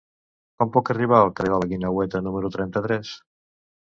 Com puc arribar al carrer de la Guineueta número trenta-tres?